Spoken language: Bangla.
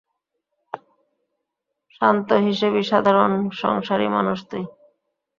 শান্ত হিসেবি সাধারণ সংসারী মানুষ তুই।